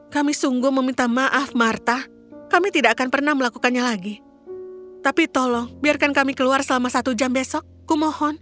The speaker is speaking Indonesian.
kami sungguh meminta maaf marta kami tidak akan pernah melakukannya lagi tapi tolong biarkan kami keluar selama satu jam besok kumohon